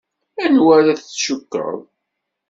Anwa ara tcukkeḍ?